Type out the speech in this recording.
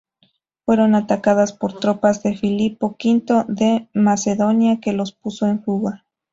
Fueron atacados por tropas de Filipo V de Macedonia, que los puso en fuga.